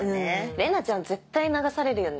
玲奈ちゃん絶対流されるよね。